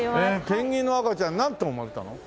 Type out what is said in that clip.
ペンギンの赤ちゃん何頭生まれたの？